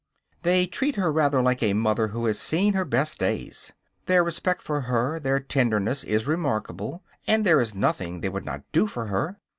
They treat her rather like a mother who has seen her best days. Their respect for her, their tenderness, is remarkable, and there is nothing they would not do for her.